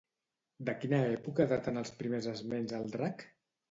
De quina època daten els primers esments al drac?